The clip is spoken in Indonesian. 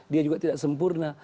dia juga tidak sempurna